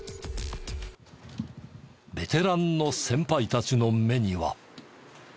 ベテランの先輩たちの目には。